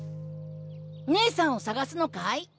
ねえさんを捜すのかい？